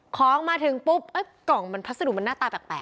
ของมาถึงปุ๊บกล่องมันพัสดุมันหน้าตาแปลก